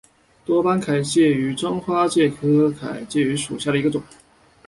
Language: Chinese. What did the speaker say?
多斑凯基介为真花介科凯基介属下的一个种。